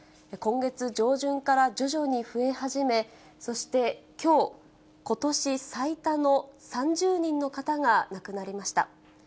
今月上旬から徐々に増え始め、そしてきょう、ことし最多の３０人の方が亡くなりました。